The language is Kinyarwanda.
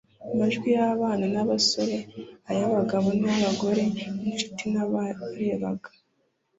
Amajwi y'abana n'abasore, ay'abagabo n'abagore, n'inshuti n'abarebaga,